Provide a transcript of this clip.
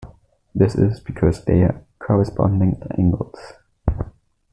This is because they are corresponding angles.